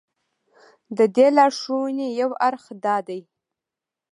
د دې لارښوونې یو اړخ دا دی.